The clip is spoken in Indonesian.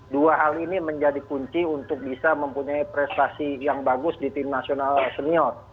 dua hal ini menjadi kunci untuk bisa mempunyai prestasi yang bagus di tim nasional senior